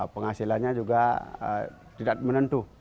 penghasilannya juga tidak menentu